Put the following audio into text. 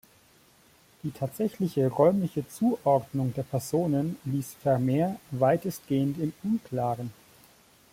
Die tatsächliche räumliche Zuordnung der Personen ließ Vermeer weitestgehend im Unklaren.